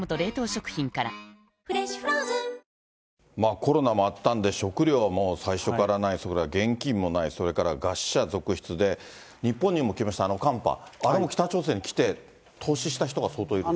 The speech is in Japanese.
コロナもあったんで、食料はもう最初からない、現金もない、それから餓死者死者続出で、日本にも来ました、寒波、あれも北朝鮮に来て、凍死した人が相当いると。